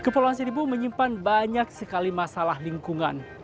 kepulauan seribu menyimpan banyak sekali masalah lingkungan